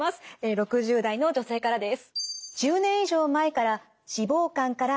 ６０代の女性からです。